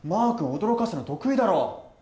驚かすの得意だろ！